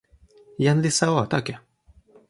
jan Lisa o, toki.